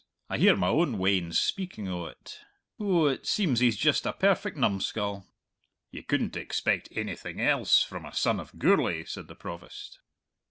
I hear my own weans speaking o't. Ou, it seems he's just a perfect numbskull!" "Ye couldn't expect ainything else from a son of Gourlay," said the Provost.